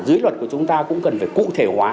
dưới luật của chúng ta cũng cần phải cụ thể hóa